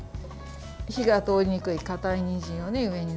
火が通りにくいかたいにんじんは上に。